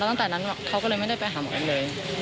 ตั้งแต่นั้นเขาก็เลยไม่ได้ไปหาหมอเอ็มเลย